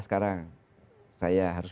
sekarang saya harus